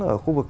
ở khu vực